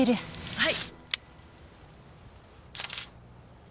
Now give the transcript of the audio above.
はい。